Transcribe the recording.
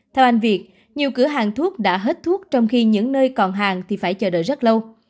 theo anh việt nhiều cửa hàng thuốc đã hết thuốc trong khi những nơi còn hàng thì phải chờ đợi rất lâu